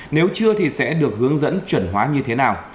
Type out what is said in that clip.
nếu chưa thì sẽ được hướng dẫn chuẩn hóa như thế nào